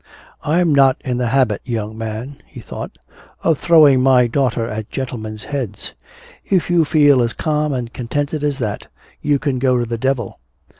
"I'm not in the habit, young man," he thought, "of throwing my daughter at gentlemen's heads. If you feel as calm and contented as that you can go to the devil!